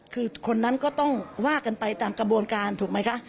คือคนนั้นก็ต้องว่ากันไปตามกระบวนการถูกไหมคะ